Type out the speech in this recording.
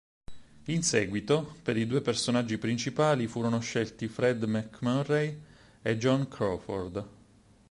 In seguito, per i due personaggi principali furono scelti Fred MacMurray e Joan Crawford.